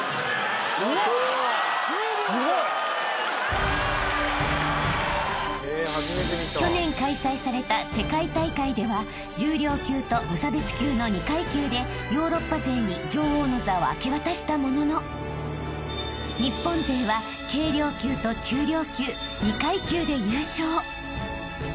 すごい。［去年開催された世界大会では重量級と無差別級の２階級でヨーロッパ勢に女王の座を明け渡したものの日本勢は軽量級と中量級２階級で優勝］